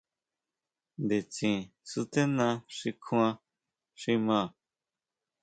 Nditsin stená xi kjuan xi maa.